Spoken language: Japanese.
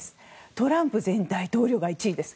トランプ前大統領が１位です。